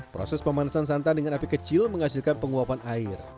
proses pemanasan santan dengan api kecil menghasilkan penguapan air